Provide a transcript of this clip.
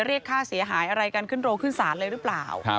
เรียกค่าเสียหายอะไรกันขึ้นโรงขึ้นศาลเลยหรือเปล่า